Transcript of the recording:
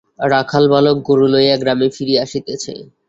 রাখালবালক গোরু লইয়া গ্রামে ফিরিয়া আসিতেছে।